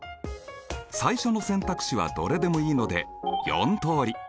最初の選択肢はどれでもいいので４通り。